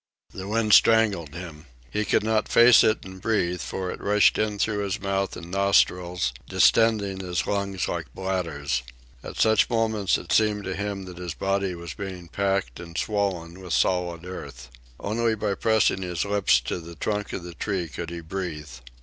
The wind strangled him. He could not face it and breathe, for it rushed in through his mouth and nostrils, distending his lungs like bladders. At such moments it seemed to him that his body was being packed and swollen with solid earth. Only by pressing his lips to the trunk of the tree could he breathe.